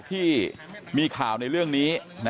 กลุ่มตัวเชียงใหม่